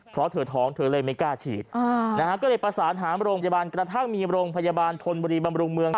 เพราะเธอท้องเธอเลยไม่กล้าฉีดก็เลยประสานหาโรงพยาบาลกระทั่งมีโรงพยาบาลธนบุรีบำรุงเมือง